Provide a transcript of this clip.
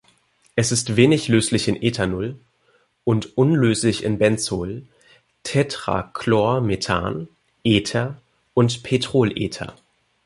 Es ist wenig löslich in Ethanol und unlöslich in Benzol, Tetrachlormethan, Ether und Petrolether.